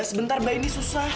sebentar mbak ini susah